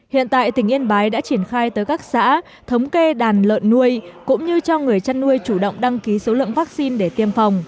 hiện tại tỉnh yên bái đã triển khai tới các xã thống kê đàn lợn nuôi cũng như cho người chăn nuôi chủ động đăng ký số lượng vaccine để tiêm phòng